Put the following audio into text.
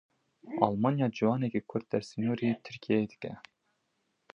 Almanya ciwanekî Kurd dersînorî Tirkiyeyê dike.